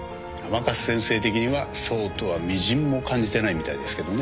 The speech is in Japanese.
甘春先生的にはそうとはみじんも感じてないみたいですけどね。